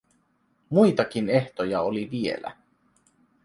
Muitakin ehtoja oli vielä.